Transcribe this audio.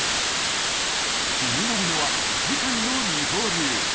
気になるのは次回の二刀流。